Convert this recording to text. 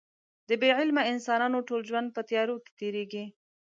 د بې علمه انسانانو ټول ژوند په تیارو کې تېرېږي.